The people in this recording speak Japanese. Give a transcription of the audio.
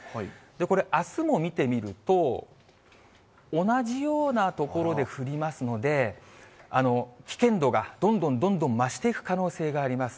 これ、あすも見てみると、同じような所で降りますので、危険度がどんどんどんどん増していく可能性があります。